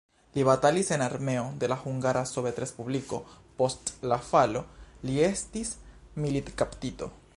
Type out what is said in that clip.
Li batalis en armeo de la Hungara Sovetrespubliko, post la falo li estis militkaptito.